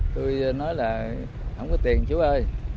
tôi nói là không có tiền chú ơi